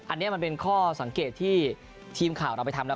อันนี้มันเป็นข้อสังเกตที่ทีมข่าวเราไปทำแล้ว